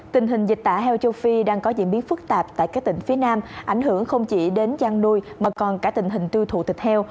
tình hình dịch tả heo châu phi đang có diễn biến phức tạp tại các tỉnh phía nam ảnh hưởng không chỉ đến chăn nuôi mà còn cả tình hình tiêu thụ thịt heo